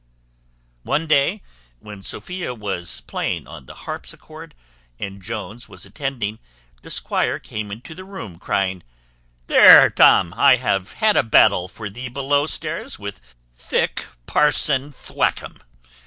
One day, when Sophia was playing on the harpsichord, and Jones was attending, the squire came into the room, crying, "There, Tom, I have had a battle for thee below stairs with thick parson Thwackum.